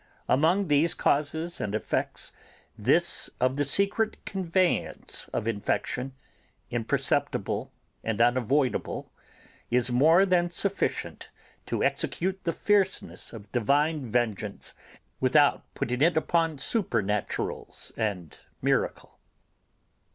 Among these causes and effects, this of the secret conveyance of infection, imperceptible and unavoidable, is more than sufficient to execute the fierceness of Divine vengeance, without putting it upon supernaturals and miracle.